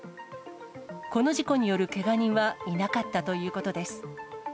この事故によるけが人はいなかったということです。